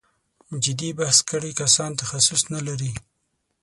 جدي بحث کړی کسان تخصص نه لري.